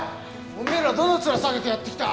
おめえらどのツラ下げてやって来た！？